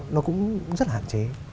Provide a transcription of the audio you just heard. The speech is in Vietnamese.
nó cũng rất là hạn chế